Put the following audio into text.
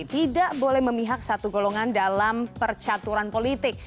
tidak boleh memihak satu golongan dalam percaturan politik